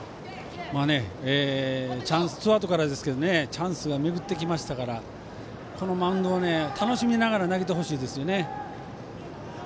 ツーアウトからですけどチャンスが巡ってきましたからこのマウンドは楽しみながら投げてほしいですよね。